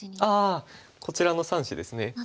ああこちらの３子ですね。